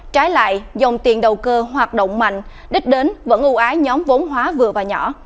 trái lại dòng tiền đầu cơ hoạt động mạnh đích đến vẫn ưu ái nhóm vốn hóa vừa và nhỏ